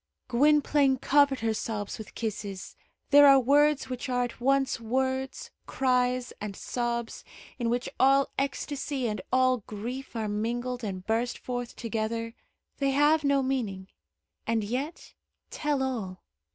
Gwynplaine covered her sobs with kisses. There are words which are at once words, cries, and sobs, in which all ecstasy and all grief are mingled and burst forth together. They have no meaning, and yet tell all.